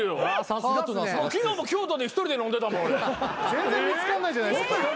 全然見つかんないじゃないですか。